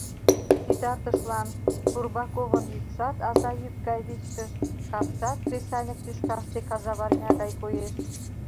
Ситартышлан Турбаковын йӱкшат аза йӱк гай вичкыж, капшат кресаньык тӱшкаште казаварня гай коеш.